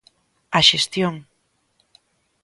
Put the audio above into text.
¡A xestión!